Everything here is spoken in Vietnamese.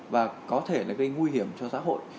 và có thể gây nguy hiểm cho xã hội